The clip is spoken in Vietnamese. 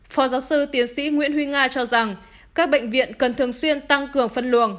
phó giáo sư tiến sĩ nguyễn huy nga cho rằng các bệnh viện cần thường xuyên tăng cường phân luồng